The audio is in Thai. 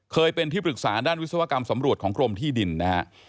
เคยเป็นที่ปรึกษาด้านวิศวกรรมสำรวจของกรมที่ดินนะฮะ